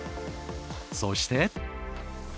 そして。